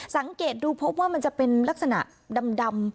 สังเกตดูพบว่ามันจะเป็นลักษณะดำ